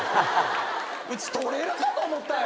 うち取れるかと思ったよ。